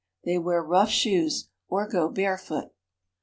They wear rough shoes or go barefoot.